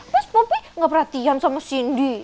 pas bobby gak perhatian sama cindy